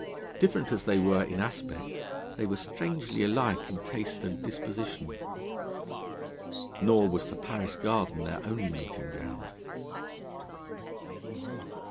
Different as they were in aspect, they were strangely alike in taste and disposition. Nor was the Paris Garden their only meeting ground.